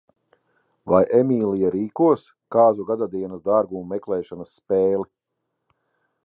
Vai Eimija rīkos kāzu gadadienas dārgumu meklēšanas spēli?